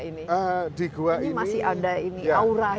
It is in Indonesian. ini masih ada ini auranya